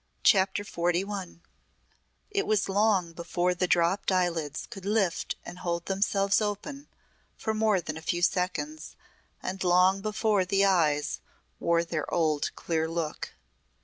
CHAPTER XLI It was long before the dropped eyelids could lift and hold themselves open for more than a few seconds and long before the eyes wore their old clear look.